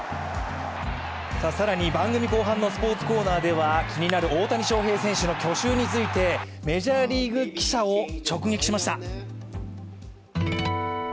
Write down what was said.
更に番組後半のスポーツコーナーでは気になる大谷翔平選手の去就についてメジャーリーグ記者を直撃しました。